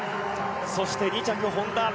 そして２着、本多。